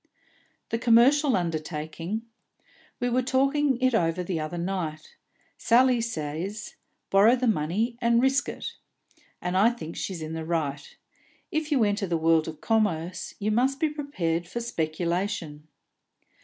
"The commercial undertaking? We were talking it over the other night. Sally says: Borrow the money and risk ut. And I think she's in the right. If you enter the world of commerce, you must be prepared for speculation.